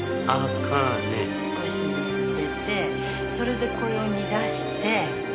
少しずつ入れてそれでこれを煮出して。